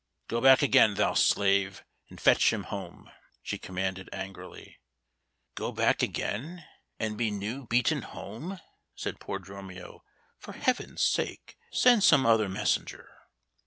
"Go back again, thou slave, and fetch him home," she commanded angrily. "Go back again, and be new beaten home?" said poor Dromio. "For heaven's sake, send some other messenger."